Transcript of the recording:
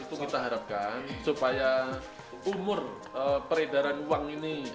itu kita harapkan supaya umur peredaran uang ini